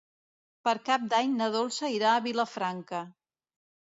Per Cap d'Any na Dolça irà a Vilafranca.